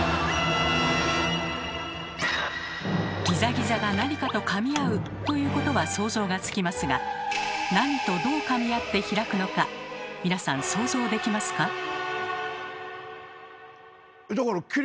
ギザギザがなにかとかみ合うということは想像がつきますがなにとどうかみ合って開くのか皆さん想像できますか？